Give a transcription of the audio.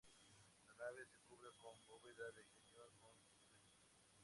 La nave se cubre con bóveda de cañón con lunetos.